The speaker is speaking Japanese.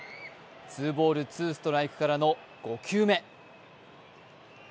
ツーボール・ツーストライクからの５球目。